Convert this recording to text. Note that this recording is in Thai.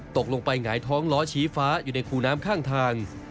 ตกลงไปหงายท้องล้อชี้ฟ้าอยู่ในคูน้ำข้างทาง